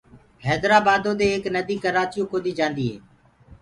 هيدرآبآدو دي ايڪ نديٚ ڪرآچيو ڪوديٚ جآنٚديٚ هي